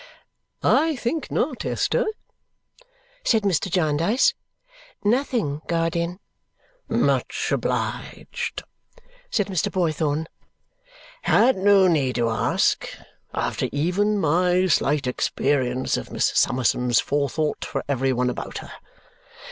"I think not, Esther?" said Mr. Jarndyce. "Nothing, guardian." "Much obliged!" said Mr. Boythorn. "Had no need to ask, after even my slight experience of Miss Summerson's forethought for every one about her."